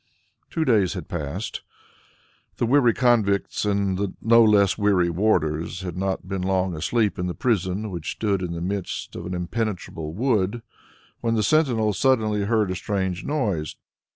Two days had passed. The weary convicts and the no less weary warders had not been long asleep in the prison which stood in the midst of an impenetrable wood, when the sentinel suddenly heard a strange noise.